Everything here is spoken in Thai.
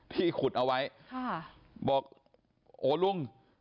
ที่ขุดเอาไว้บอกโอ้ลุง